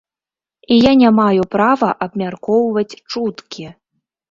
І я не маю права абмяркоўваць чуткі.